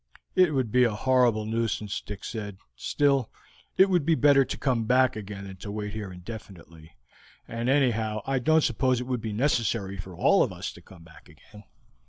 "It would be a horrible nuisance," Dick said; "still it would be better to come back again than to wait here indefinitely, and anyhow I don't suppose it would be necessary for all of us to come back again."